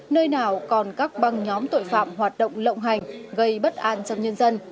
nơi nào còn các băng nhóm tội phạm hoạt động lộng hành gây bất an trong nhân dân